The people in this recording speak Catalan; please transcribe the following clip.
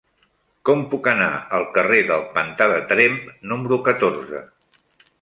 Com puc anar al carrer del Pantà de Tremp número catorze?